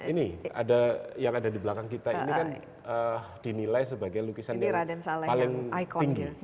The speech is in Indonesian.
ini yang ada di belakang kita ini kan dinilai sebagai lukisan yang paling tinggi